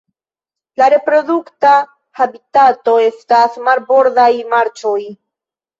La reprodukta habitato estas marbordaj marĉoj.